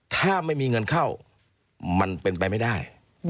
ถ้าไม่มีเงินเข้ามันเป็นไปไม่ได้